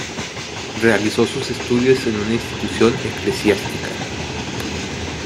Realizó sus estudios en una institución eclesiástica.